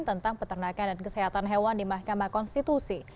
tentang peternakan dan kesehatan hewan di mahkamah konstitusi